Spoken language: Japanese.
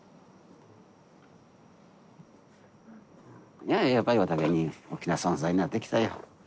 いややっぱりお互いに大きな存在になってきたよ。